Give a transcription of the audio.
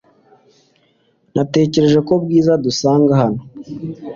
Natekereje ko Bwiza adusanga hano .